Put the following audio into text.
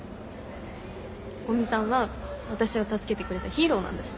古見さんは私を助けてくれたヒーローなんだし。